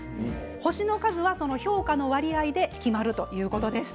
星の数はその評価の割合で決まるということでした。